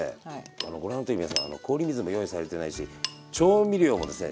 あのご覧になってる皆さん氷水も用意されてないし調味料もですね